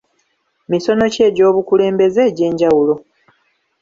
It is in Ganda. Misono ki egy'obukulembeze egy'enjawulo.